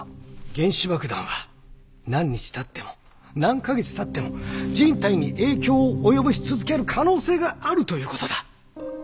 原子爆弾は何日たっても何か月たっても人体に影響を及ぼし続ける可能性があるということだ。